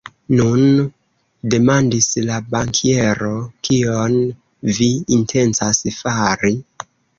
Nun, demandis la bankiero, kion vi intencas fari?